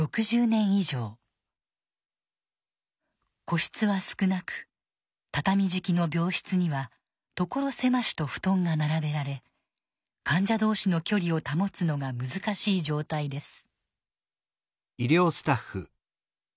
個室は少なく畳敷きの病室には所狭しと布団が並べられ患者同士の距離を保つのが難しい状態です。